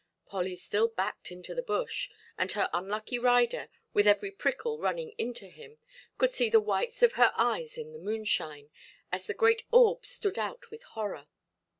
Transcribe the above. Polly still backed into the bush, and her unlucky rider, with every prickle running into him, could see the whites of her eyes in the moonshine, as the great orbs stood out with horror.